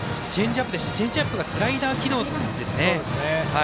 チェンジアップがスライダー軌道でした。